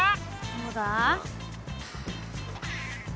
どうだ？